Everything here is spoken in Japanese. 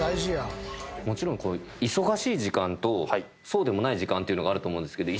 もちろん忙しい時間とそうでもない時間っていうのがあると思うんですけど。